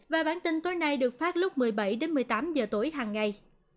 và bản tin tối nay được phát lúc một mươi bảy đến một mươi tám giờ tối hằng ngày